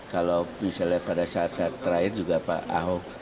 kalau misalnya pada saat saat terakhir juga pak ahok